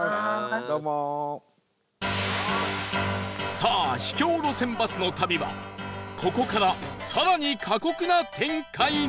さあ秘境路線バスの旅はここから更に過酷な展開に！